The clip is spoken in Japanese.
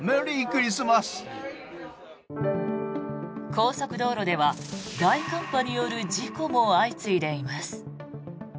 高速道路では大寒波による事故も相次いでいます。